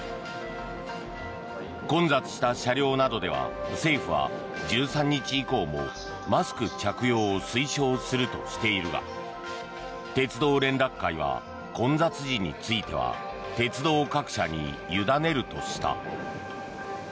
混雑した車両などでは政府は１３日以降もマスク着用を推奨するとしているが鉄道連絡会は混雑時については鉄道各社に委ねるとした。